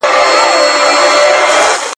که وخت وي زده کړه کوم